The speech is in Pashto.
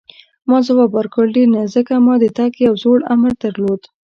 ما ځواب ورکړ: ډېر نه، ځکه ما د تګ یو زوړ امر درلود.